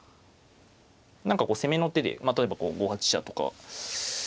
何かこう攻めの手で例えばこう５八飛車とか。